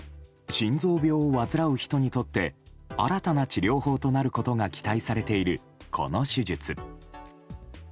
心臓病を患う人にとって新たな治療法となることが期待されているこの手術。